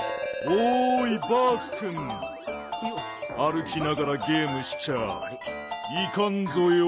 おいバースくんあるきながらゲームしちゃいかんぞよ。